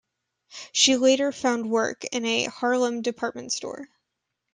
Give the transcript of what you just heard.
She later found work in a Harlem department store.